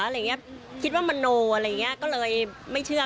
อะไรอย่างนี้คิดว่ามโนอะไรอย่างนี้ก็เลยไม่เชื่อ